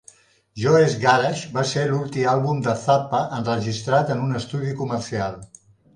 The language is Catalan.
"Joe's Garage" va ser l'últim àlbum de Zappa enregistrat en un estudi comercial.